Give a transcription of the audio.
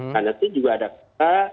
dan nanti juga ada kita